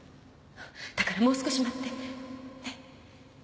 だからもう少し待ってねっ。